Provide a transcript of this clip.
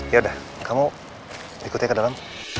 ya udah kamu ikutnya ke dalam